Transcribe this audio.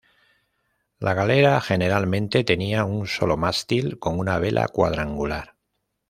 La galera generalmente tenía un solo mástil con una vela cuadrangular.